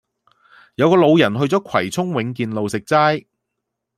有個老人去左葵涌永建路食齋